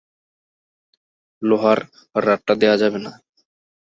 লোহার রাডটা দেয়া যাবে না।